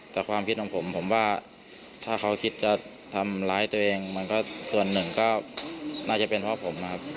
แต่ความคิดของผมผมว่าถ้าเขาคิดจะทำร้ายตัวเองมันก็ส่วนหนึ่งก็น่าจะเป็นเพราะผมนะครับ